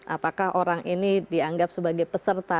apakah orang ini dianggap sebagai peserta